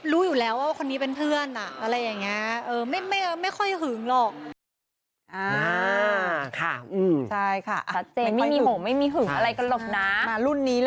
รู้อยู่แล้วว่าคนนี้เป็นเพื่อนอะไรอย่างนี้